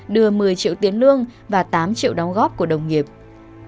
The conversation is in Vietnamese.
đưa một mươi triệu tiền lương và tám triệu đóng góp của đồng nghiệp